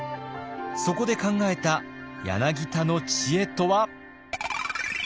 そこで考えた柳田の知恵とは。